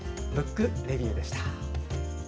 「ブックレビュー」でした。